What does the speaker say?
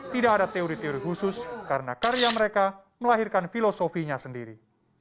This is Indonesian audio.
tidak ada teori teori khusus karena karya mereka melahirkan filosofinya sendiri